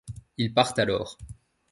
Ils partent alors.